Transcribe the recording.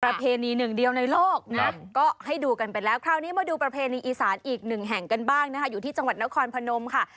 ประเพณีหนึ่งเดียวในโลกนะก็ให้ดูกันไปแล้วคราวนี้มาดูประเพณีอีสานอีกหนึ่งแห่งกันบ้างนะคะอยู่ที่จังหวัดนครพนมค่ะ